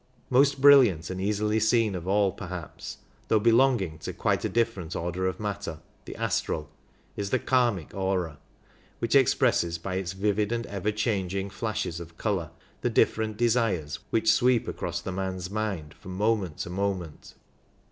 Most brilliant and most easily seen of all, perhaps, though belonging to quite a different order of matter — the astral — is the k^mic aura, which expresses by its vivid and ever changing flashes of colour the different desires which sweep across the man's mind from moment to moment.